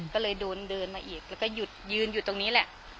ก็เลยโดนเดินมาอีกแล้วก็หยุดยืนอยู่ตรงนี้แหละ